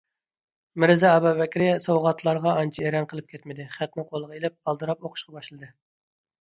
مىرزا ئابابەكرى سوۋغاتلارغا ئانچە ئېرەن قىلىپ كەتمىدى، خەتنى قولىغا ئېلىپ ئالدىراپ ئوقۇشقا باشلىدى.